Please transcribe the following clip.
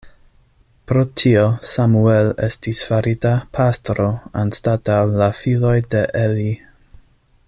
Pro tio, Samuel estis farita pastro anstataŭ la filoj de Eli.